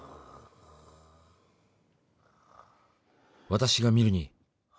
「私が見るに」